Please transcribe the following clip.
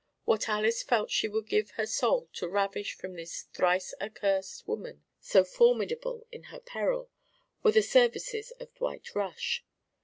What Alys felt she would give her soul to ravish from this thrice accursed woman, so formidable in her peril, were the services of Dwight Rush.